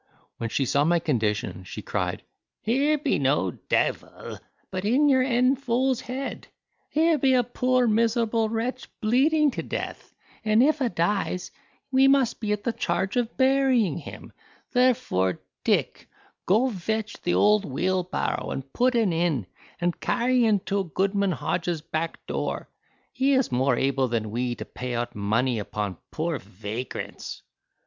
When she saw my condition, she cried, "Here be no devil, but in your en fool's head. Here be a poor miserable wretch bleeding to death, and if a dies, we must be at the charge of burying him; therefore, Dick, go vetch the old wheelbarrow and put en in, and carry en to goodman Hodge's backdoor; he is more able than we to pay out money upon poor vagrants."